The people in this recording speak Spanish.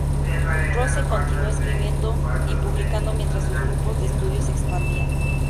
Rose continuó escribiendo y publicando mientras sus grupos de estudio se expandían.